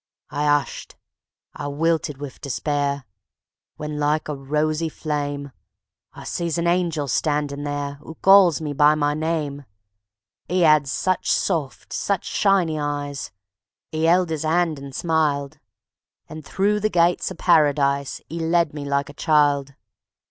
I 'ushed; I wilted wiv despair, When, like a rosy flame, I sees a angel standin' there 'Oo calls me by me name. 'E 'ad such soft, such shiny eyes; 'E 'eld 'is 'and and smiled; And through the gates o' Paradise 'E led me like a child.